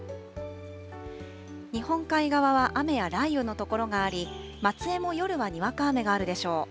日本海側は雨や雷雨の所があり、松江も夜はにわか雨があるでしょう。